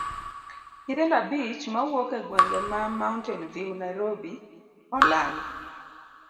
Nyithindo abich mawuok e gwenge ma mountain view Nairobi olal.